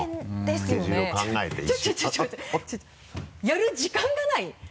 やる時間がない？